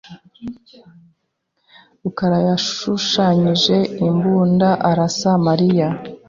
rukarayashushanyije imbunda arasa Mariya.